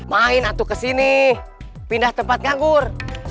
main atau kesini pindah tempat nganggur